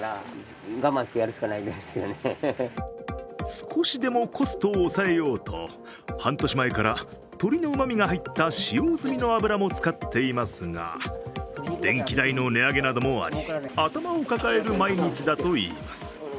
少しでもコストを抑えようと半年前から鶏のうまみが入った使用済みの油も使っていますが電気代の値上げなどもあり、頭を抱える毎日だといいます。